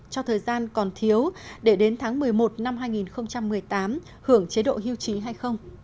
cho thời gian còn thiếu để đến tháng một mươi một năm hai nghìn một mươi tám hưởng chế độ hưu trí hay không